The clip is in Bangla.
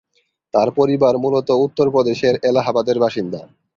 তার পরিবার মূলত উত্তর প্রদেশের এলাহাবাদের বাসিন্দা।